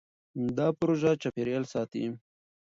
دا پروژه چاپېریال ساتي.